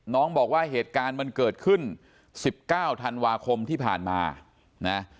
น้องบอกว่าเหตุการณ์มันเกิดขึ้น๑๙ธันวาคมที่ผ่านมานะ